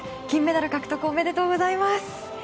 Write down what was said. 金メダル獲得おめでとうございます。